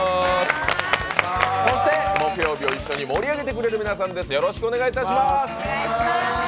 そして木曜日を一緒に盛り上げてくれる皆さんです、よろしくお願いします。